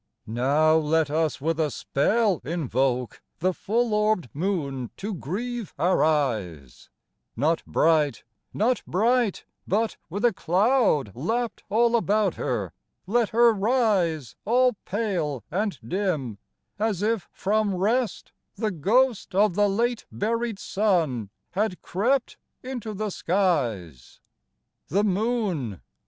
Now let us with a spell invoke The full orb'd moon to grieve our eyes; Not bright, not bright, but, with a cloud Lapp'd all about her, let her rise All pale and dim, as if from rest The ghost of the late buried sun Had crept into the skies. The Moon!